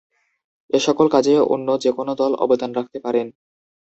এসকল কাজে অন্য যেকোনো দল অবদান রাখতে পারেন।